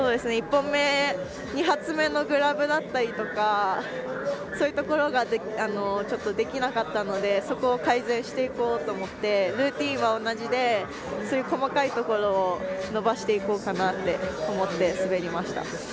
１本目、２発目のグラブだったりとかちょっとできなかったのでそこを改善していこうと思ってルーティンは同じでそういう細かいところを伸ばしていこうかなと思って滑りました。